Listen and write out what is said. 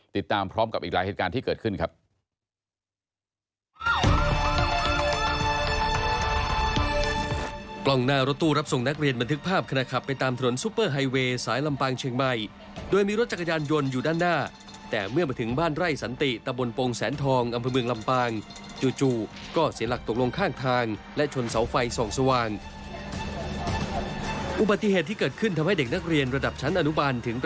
ติดตามพร้อมกับอีกหลายเหตุการณ์ที่เกิดขึ้นครับ